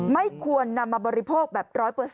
ไม่ควรนำมาบริโภคแบบ๑๐๐